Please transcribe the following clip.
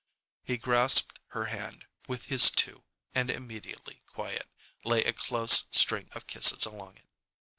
He grasped her hand with his two and, immediately quiet, lay a close string of kisses along it.